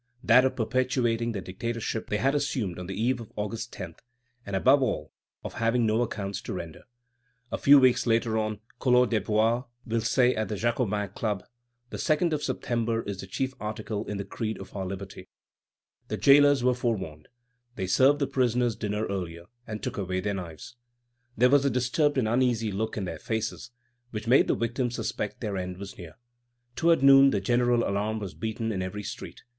That of perpetuating the dictatorship they had assumed on the eve of August 10, and, above all, of having no accounts to render. A few weeks later on, Collot d'Herbois will say at the Jacobin Club: "The 2d of September is the chief article in the creed of our liberty." The jailors were forewarned. They served the prisoners' dinner earlier, and took away their knives. There was a disturbed and uneasy look in their faces which made the victims suspect their end was near. Toward noon the general alarm was beaten in every street.